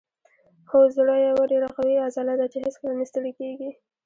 هو زړه یوه ډیره قوي عضله ده چې هیڅکله نه ستړې کیږي